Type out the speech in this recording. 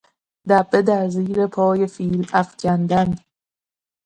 دبه در زیر پای فیل افکندن.